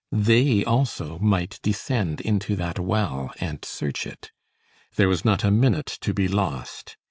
They also might descend into that well and search it. There was not a minute to be lost.